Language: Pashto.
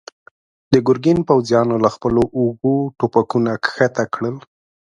د ګرګين پوځيانو له خپلو اوږو ټوپکونه کښته کړل.